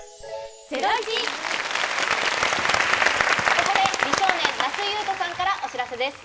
ここで美少年・那須雄登さんからお知らせです。